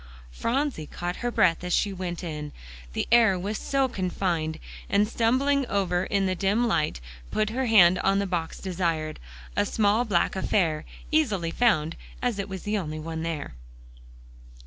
Phronsie caught her breath as she went in, the air was so confined; and stumbling over in the dim light, put her hand on the box desired, a small black affair, easily found, as it was the only one there.